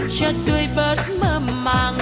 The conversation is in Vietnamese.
chưa tươi vớt mơ mang